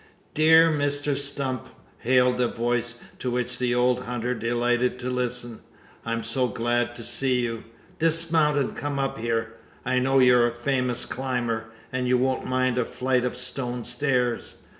"Dear Mr Stump!" hailed a voice, to which the old hunter delighted to listen. "I'm so glad to see you. Dismount, and come up here! I know you're a famous climber, and won't mind a flight of stone stairs.